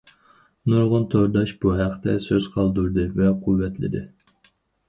نۇرغۇن تورداش بۇ ھەقتە سۆز قالدۇردى ۋە قۇۋۋەتلىدى.